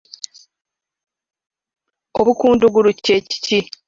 Obukundugulu kye ki?